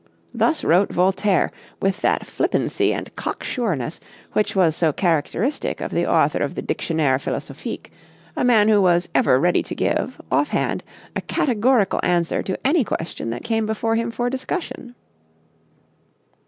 " Thus wrote Voltaire with that flippancy and cocksureness which was so characteristic of the author of the Dictionnaire Philosophique a man who was ever ready to give, offhand, a categorical answer to any question that came before him for discussion.